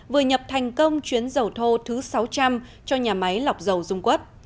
vừa nhập thành công chuyến dầu thô thứ sáu trăm linh cho nhà máy lọc dầu dung quất